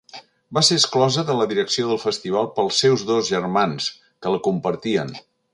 Va ser exclosa de la direcció del Festival pels seus dos germans, que la compartien.